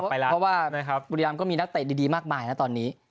เพราะว่าบุรีรำก็มีนักเตะดีมากมายนะตอนนี้